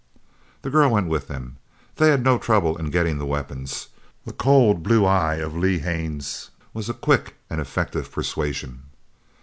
The girl went with them. They had no trouble in getting the weapons. The cold blue eye of Lee Haines was a quick and effective persuasion.